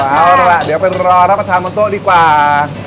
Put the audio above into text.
เอา๋อะล่ะเดี๋ยวไปรอแล้วโชว์กันด้วยก่อน